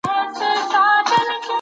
موږ د سياست په اړه معلومات غونډوو.